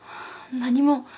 何も。